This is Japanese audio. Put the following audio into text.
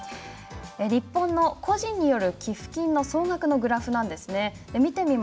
日本の個人による寄付金総額のグラフです。